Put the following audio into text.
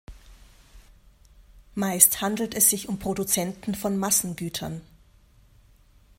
Meist handelt es sich um Produzenten von Massengütern.